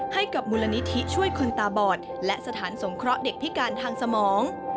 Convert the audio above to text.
ให้กับมูลนิธิช่วยคนตาบอดและสถานสงเคราะห์เด็กพิการทางสมอง